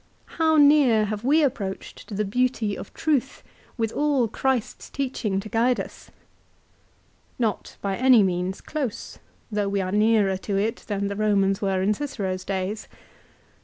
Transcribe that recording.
How near have we approached to the beauty of truth, with all Christ's teaching to guide us ? Not by any means close, though we are nearer to it than the Eomans were in Cicero's days.